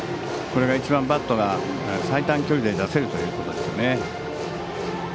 これが一番バットが最短距離で出せるということですね。